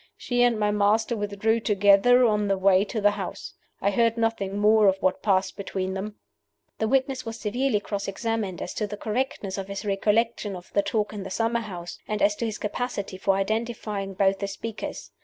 She and my master withdrew together on the way to the house. I heard nothing more of what passed between them." This witness was severely cross examined as to the correctness of his recollection of the talk in the summer house, and as to his capacity for identifying both the speakers.